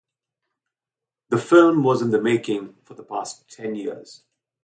The film was in the making for the past ten years.